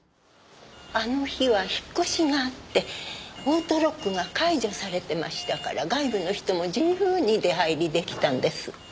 あの日は引っ越しがあってオートロックが解除されてましたから外部の人も自由に出入り出来たんです。